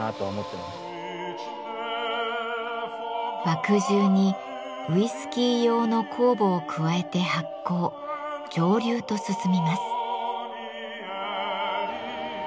麦汁にウイスキー用の酵母を加えて発酵蒸留と進みます。